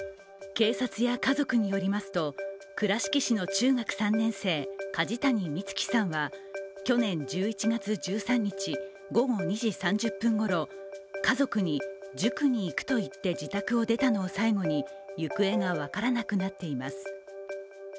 警察や家族によりますと、倉敷市の中学３年生、梶谷恭暉さんは去年１１月１３日午後２時３０分ごろ家族に塾に行くと言って自宅を出たのを最後に行方が分からなくなっています。